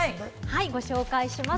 はい、ご紹介します。